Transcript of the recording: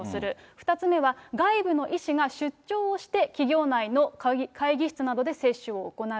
２つ目は外部の医師が出張をして、企業内の会議室などで接種を行う。